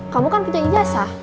kamu kan punya ijazah